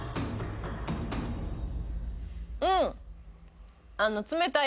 うん！